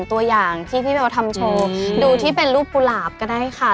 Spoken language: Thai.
ตัวอย่างที่พี่เบลทำโชว์ดูที่เป็นรูปกุหลาบก็ได้ค่ะ